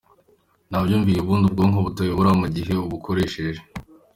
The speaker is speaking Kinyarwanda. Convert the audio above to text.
Nta byiyumviro ubundi ubwonko butabayobora mu gihe ubukoresheje.